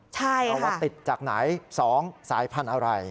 ใช่ค่ะคือติดจากไหน๒สายพันธุ์อะไร